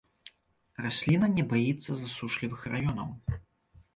Расліна не баіцца засушлівых раёнаў.